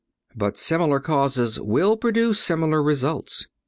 (106) But similar causes will produce similar results.